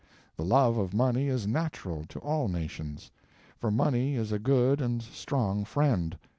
The love of money is natural to all nations, for money is a good and strong friend.